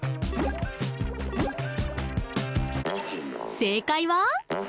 正解は？